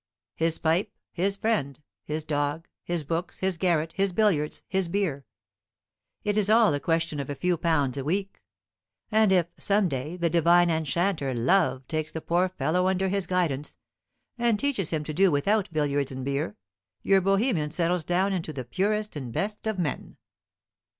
His pipe, his friend, his dog, his books, his garret, his billiards, his beer. It is all a question of a few pounds a week. And if, some day, the divine enchanter Love takes the poor fellow under his guidance, and teaches him to do without billiards and beer, your Bohemian settles down into the purest and best of men.